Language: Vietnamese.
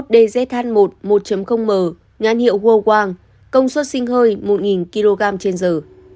một dzh một một m ngán hiệu huo quang công suất sinh hơi một kg trên giờ